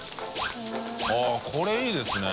◆舛これいいですね。